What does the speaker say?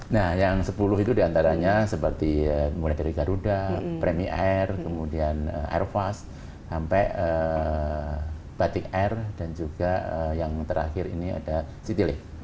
nah yang sepuluh itu diantaranya seperti mulai dari garuda premier kemudian airfast sampai batik air dan juga yang terakhir ini ada citylink